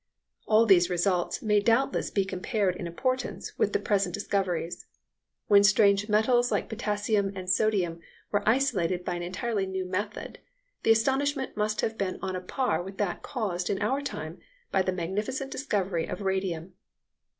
All these results may doubtless be compared in importance with the present discoveries. When strange metals like potassium and sodium were isolated by an entirely new method, the astonishment must have been on a par with that caused in our time by the magnificent discovery of radium.